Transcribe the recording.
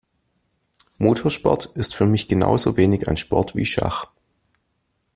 Motorsport ist für mich genauso wenig ein Sport wie Schach.